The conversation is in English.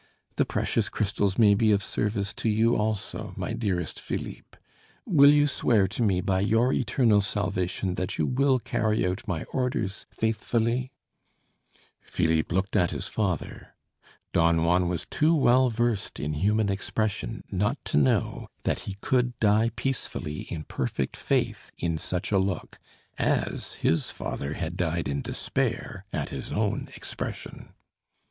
The precious crystals may be of service to you also, my dearest Philippe. Will you swear to me by your eternal salvation that you will carry out my orders faithfully?" Philippe looked at his father. Don Juan was too well versed in human expression not to know that he could die peacefully in perfect faith in such a look, as his father had died in despair at his own expression.